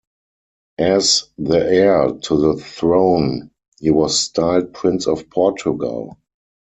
As the heir to the throne he was styled Prince of Portugal.